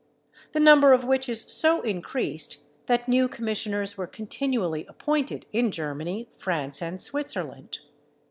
The number of witches so increased, that new commissioners were continually appointed in Germany, France, and Switzerland.